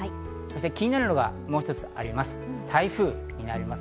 気になるのがもう一つあります。